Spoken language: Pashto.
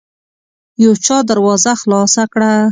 يو چا دروازه خلاصه کړه.